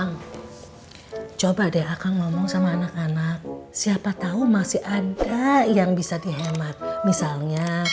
kang coba deh akan ngomong sama anak anak siapa tahu masih ada yang bisa dihemat misalnya